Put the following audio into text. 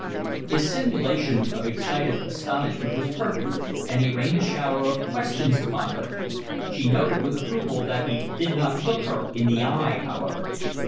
His simulation of excited astonishment was perfect and he rained a shower of questions upon her. She noted with approval that he did not look her in the eye, however.